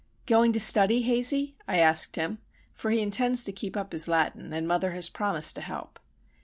"Going to study, Hazey?" I asked him, for he intends to keep up his Latin, and mother has promised to help.